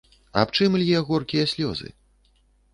Аб чым лье горкія слёзы?